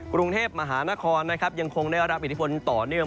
กรุงเทพมหานครนะครับยังคงได้รับอิทธิพลต่อเนื่อง